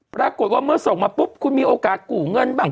ปรากฏว่าเมื่อส่งมาปุ๊บคุณมีโอกาสกู่เงินบ้าง